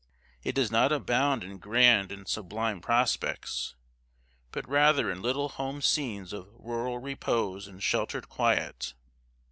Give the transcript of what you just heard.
It does not abound in grand and sublime prospects, but rather in little home scenes of rural repose and sheltered quiet.